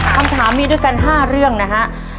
คำถามมีด้วยกัน๕เรื่องนะฮะ